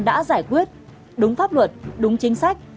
đã giải quyết đúng pháp luật đúng chính sách